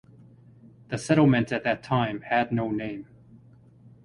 The settlement at that time had no name.